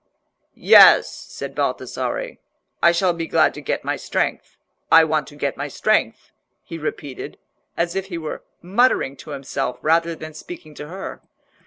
"Yes," said Baldassarre, "I shall be glad to get my strength. I want to get my strength," he repeated, as if he were muttering to himself, rather than speaking to her.